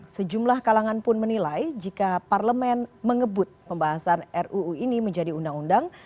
sejumlah kalangan pun menilai jika parlemen mengebut pembahasan ruu ini menjadi undang undang